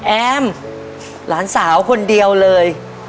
แอมหลานสาวคนเดียวเลย